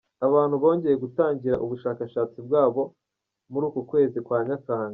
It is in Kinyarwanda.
Abantu bongeye gutangira ubushakashatsi bwabo muri uku kwezi kwa Nyakanga.